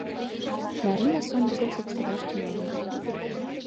Марина сондыкым шупшкедаш тӱҥалын.